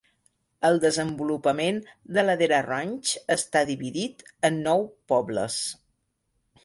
El desenvolupament de Ladera Ranch està dividit en nou "pobles".